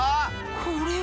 これは。